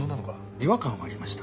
違和感はありました。